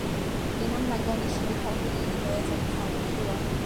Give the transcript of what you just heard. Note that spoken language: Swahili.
ni namna gani shirika hili limeweza kufanikiwa